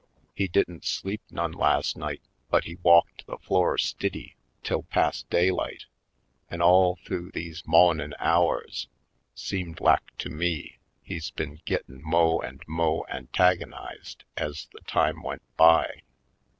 He didn't sleep none las' night but he walked the floor stiddy till pas' daylight; an' all th'ough these mawnin' hours, seemed lak to me, he's been gittin' mo' an' mo' antagonized ez the time went by.